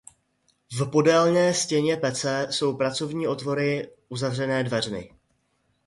V podélné stěně pece jsou pracovní otvory uzavřené dveřmi.